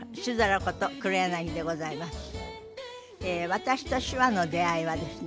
私と手話の出会いはですね